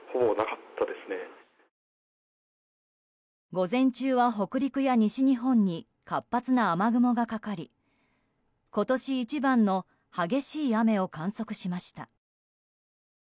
午前中は北陸や西日本に活発な雨雲がかかり今年一番の激しい雨を観測しました。